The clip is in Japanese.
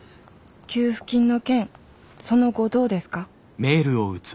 「給付金の件その後どうですか？」。